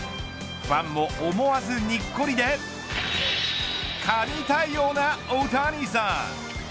ファンも思わずにっこりで神対応なオオタニサン。